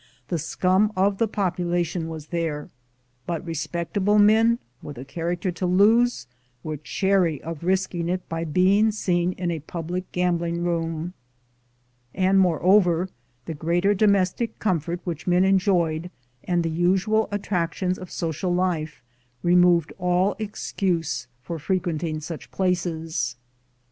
The scum of the population was there ; but respectable men, with a character to lose, were chary of risking it by being seen in a public gambling room ; and, moreover, the greater domestic comfort which men enjoyed, and the usual attractions of social life, removed all excuse for frequenting such places.